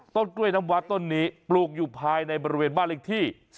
ต้นกล้วยน้ำว้าต้นนี้ปลูกอยู่ภายในบริเวณบ้านเลขที่